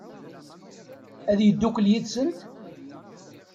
Ad yeddukel yid-sent?